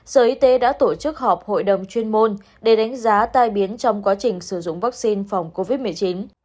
sở y tế đã tổ chức họp hội đồng chuyên môn để đánh giá tai biến trong quá trình sử dụng vaccine phòng covid một mươi chín